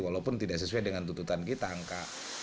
walaupun tidak sesuai dengan tuntutan kita angka